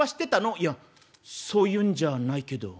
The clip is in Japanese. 「いやそういうんじゃないけど」。